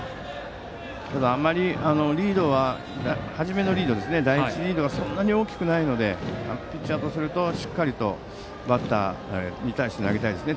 あまり第１リードはそんなに大きくないのでピッチャーとするとしっかりとバッターに対して投げたいですよね。